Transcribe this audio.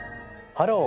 「ハロー！